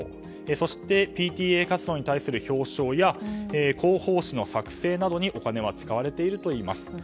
そしてＰＴＡ活動に対する表彰や広報紙の作製などにお金は使われているといいます。